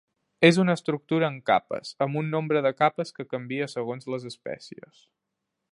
És una estructura en capes, amb un nombre de capes que canvia segons les espècies.